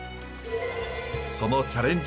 そのチャレンジ